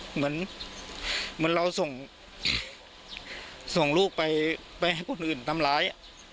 เหมือนเราส่งลูกไปให้คนอื่นทำร้าย